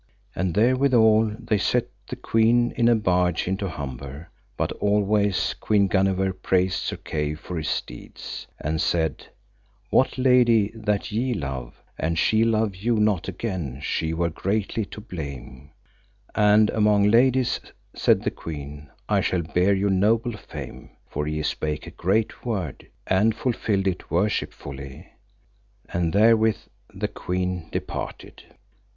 And therewithal they set the queen in a barge into Humber; but always Queen Guenever praised Sir Kay for his deeds, and said, What lady that ye love, and she love you not again she were greatly to blame; and among ladies, said the queen, I shall bear your noble fame, for ye spake a great word, and fulfilled it worshipfully. And therewith the queen departed.